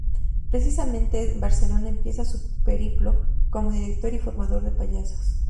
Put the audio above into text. Precisamente en Barcelona empieza su periplo como director y formador de payasos.